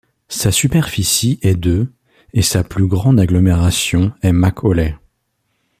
Sa superficie est de et sa plus grande agglomération est McAuley.